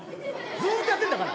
ずとやってんだから！